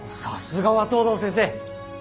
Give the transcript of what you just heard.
さすがは藤堂先生。